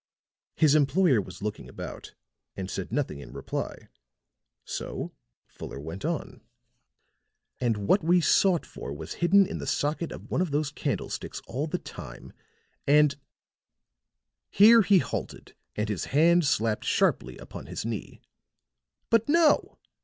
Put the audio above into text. His employer was looking about, and said nothing in reply; so Fuller went on: "And what we sought for was hidden in the socket of one of those candlesticks all the time, and " here he halted and his hand slapped sharply upon his knee. "But no!